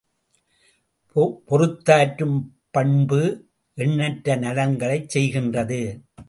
பொறுத்தாற்றும் பண்பு, எண்ணற்ற நலன்களைச் செய்கின்றது.